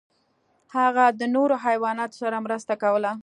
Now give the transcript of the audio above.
هغه د نورو حیواناتو سره مرسته کوله.